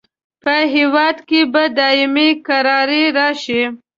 په هیواد کې به دایمي کراري راشي.